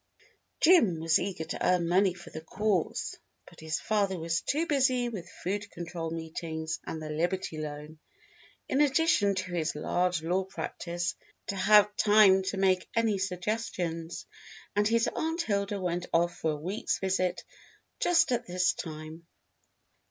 Jim was eager to earn money for the cause, but his father was too busy with food control meetings and the Liberty Loan, in addition to his large law practice, to have time to make any suggestions, and his Aunt Hilda went off for a week's visit just at this time.